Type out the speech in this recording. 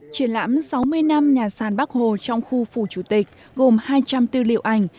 triển lãm sáu mươi năm nhà sàn bắc hồ trong khu phủ chủ tịch gồm hai trăm linh tư liệu ảnh